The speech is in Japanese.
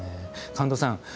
神門さん